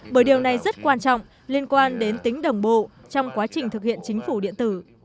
bởi điều này rất quan trọng liên quan đến tính đồng bộ trong quá trình thực hiện chính phủ điện tử